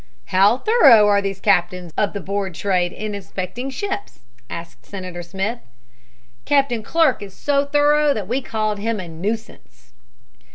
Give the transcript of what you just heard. "How thorough are these captains of the Board of Trade in inspecting ships?" asked Senator Smith. "Captain Clark is so thorough that we called him a nuisance."